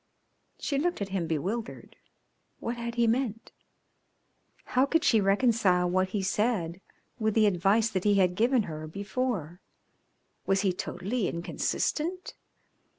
She looked at him bewildered. What had he meant? How could she reconcile what he said with the advice that he had given her before? Was he totally inconsistent?